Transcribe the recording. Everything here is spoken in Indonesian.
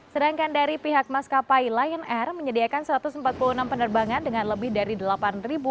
sedangkan dari pihak maskapai lion air menyediakan satu ratus empat puluh enam penerbangan dengan lebih dari tiga kursi perharinya dengan tarif diskon